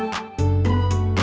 sampai jumpa lagi